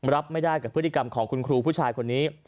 รับไม่ได้กับพฤติกรรมของคุณครูผู้ชายคนนี้